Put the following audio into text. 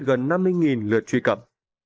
gần năm mươi lượt truy cập